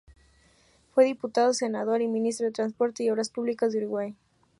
Fue diputado, senador y ministro de Transporte y Obras Públicas de Uruguay.